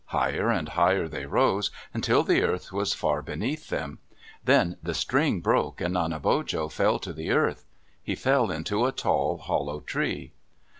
Higher and higher they rose, until the earth was far beneath them. Then the string broke, and Nanebojo fell to the earth. He fell into a tall hollow tree.